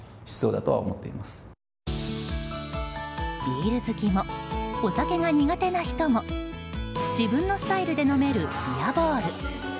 ビール好きもお酒が苦手な人も自分のスタイルで飲めるビアボール。